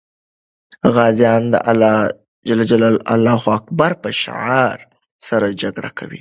غازیان د الله اکبر په شعار سره جګړه کوي.